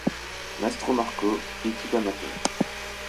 Mastromarco, équipe amateur.